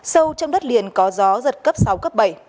sâu trong đất liền có gió giật cấp sáu cấp bảy